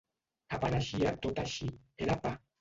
«Apareixia tot així: era pa».